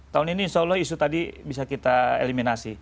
tahun ini insya allah isu tadi bisa kita eliminasi